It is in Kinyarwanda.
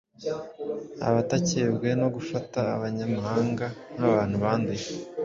abatakebwe no gufata abanyamahanga nk’abantu banduye.